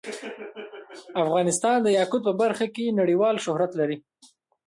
افغانستان د یاقوت په برخه کې نړیوال شهرت لري.